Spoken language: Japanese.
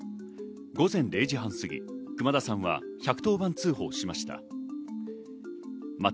午前０時半過ぎ、熊田さんは１１０番通報しました。